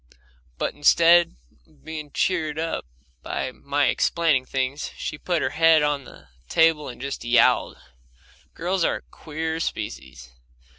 But instead of being cheered up by my explaining things, she put her head on the table and just yowled. Girls are a queer species.